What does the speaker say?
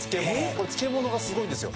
これ漬物がすごいんですよ。